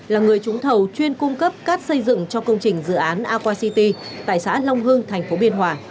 là người trúng thầu chuyên cung cấp cát xây dựng cho công trình dự án aqua city tại xã long hưng thành phố biên hòa